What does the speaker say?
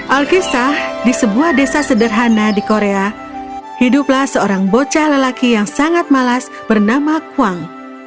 alkisah di sebuah desa sederhana di korea hiduplah seorang bocah lelaki yang sangat malas bernama kuang